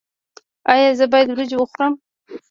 ایا زه باید وریجې وخورم؟